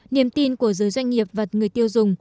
niềm tin của giới doanh nghiệp và người tiêu dùng